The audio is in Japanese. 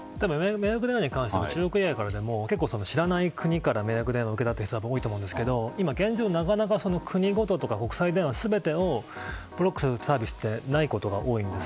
迷惑電話に関しては中国以外からでも結構知らない国から迷惑電話を受ける方も多いと思いますが現状は国ごととか国際電話全てをブロックするサービスがないことが多いんです。